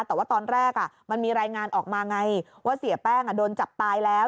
แต่ว่าตอนแรกมันมีรายงานออกมาไงว่าเสียแป้งโดนจับตายแล้ว